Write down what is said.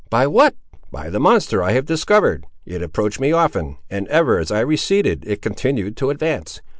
"By what?" "By the monster I have discovered. It approached me often, and ever as I receded, it continued to advance.